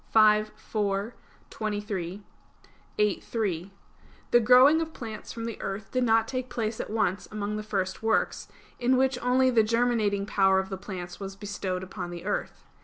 v, 4, 23; viii, 3), the growing of plants from the earth did not take place at once among the first works, in which only the germinating power of the plants was bestowed upon the earth.